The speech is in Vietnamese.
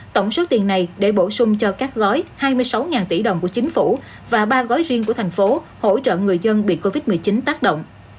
tổng số tiền này để bổ sung cho các gói hai mươi sáu tỷ đồng của chính phủ và ba gói riêng của thành phố hỗ trợ người dân bị covid một mươi chín tác động